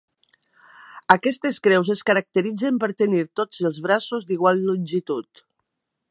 Aquestes creus es caracteritzen per tenir tots els braços d'igual longitud.